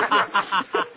ハハハハ！